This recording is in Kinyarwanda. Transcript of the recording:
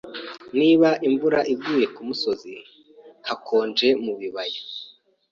Niba imvura iguye kumusozi, hakonje mubibaya.